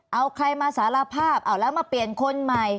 เอาใครมาสารภาพเอาแล้วมาเปลี่ยนคนใหม่